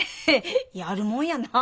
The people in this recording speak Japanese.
やるもんやな。